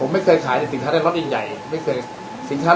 แล้วคุณต้องการจะหลอกไหมครับในเมื่อคุณไม่มีของ